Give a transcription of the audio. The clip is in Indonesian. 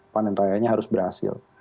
panen rayanya harus berhasil